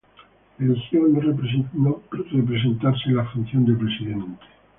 Eligió no representarse en la función de presidente.